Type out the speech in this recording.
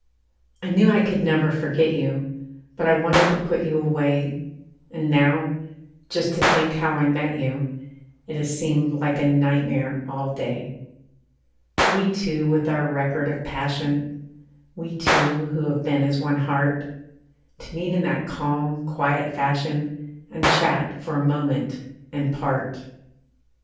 I knew I could never forget you; But I wanted to put you away. And now, just to think how I met you It has seemed like a nightmare all day. We two with our record of passion, We two who have been as one heart, To meet in that calm, quiet fashion, And chat for a moment and part.